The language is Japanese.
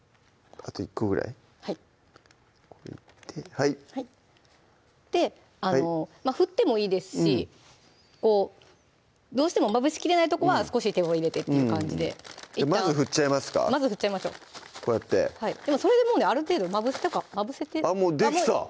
あと１個ぐらいこれで振ってもいいですしこうどうしてもまぶしきれないとこは少し手を入れてって感じでまず振っちゃいますかまず振っちゃいましょうそれでもうねある程度まぶせてあっもうできた！